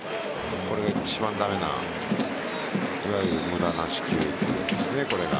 これが一番駄目ないわゆる無駄な四球ですね。